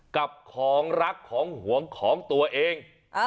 กับของรักของหวงของตัวเอง